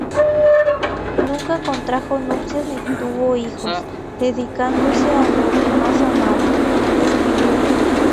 Nunca contrajo nupcias ni tuvo hijos, dedicándose a lo que más amaba: escribir.